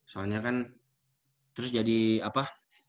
soalnya kan terus jadi apa